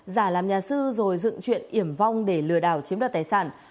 giả làm nhà sư rồi dựng chuyện iểm vong để lừa đảo chiếm đoạt tài sản